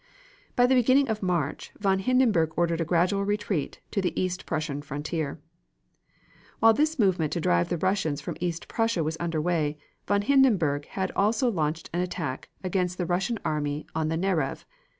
By the beginning of March, von Hindenburg ordered a gradual retreat to the East Prussian frontier. While this movement to drive the Russians from East Prussia was under way, von Hindenburg had also launched an attack against the Russian army on the Narev.